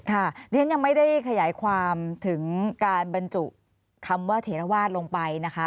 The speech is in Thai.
เรียนยังไม่ได้ขยายความถึงการบรรจุคำว่าเถระวาสลงไปนะคะ